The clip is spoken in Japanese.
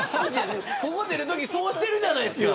ここ出るときそうしてるじゃないですか。